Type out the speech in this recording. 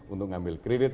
untuk ngambil kredit